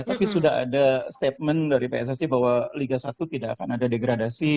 tapi sudah ada statement dari pssi bahwa liga satu tidak akan ada degradasi